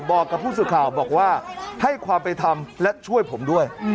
บอกกับผู้สื่อข่าวบอกว่าให้ความเป็นธรรมและช่วยผมด้วย